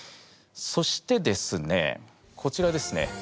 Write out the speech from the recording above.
そしてですねこちらですね